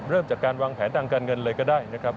เริ่มจากการวางแผนทางการเงินเลยก็ได้นะครับ